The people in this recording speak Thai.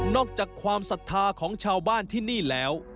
อกจากความศรัทธาของชาวบ้านที่นี่แล้ว